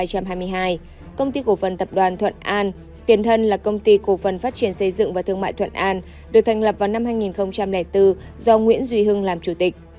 công ty cổ phần tập đoàn thuận an tiền thân là công ty cổ phần phát triển xây dựng và thương mại thuận an được thành lập vào năm hai nghìn bốn do nguyễn duy hưng làm chủ tịch